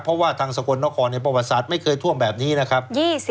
เพราะว่าทางสกลนครในประวัติศาสตร์ไม่เคยท่วมแบบนี้นะครับ